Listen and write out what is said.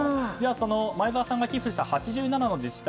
その前澤さんが寄付した８７の自治体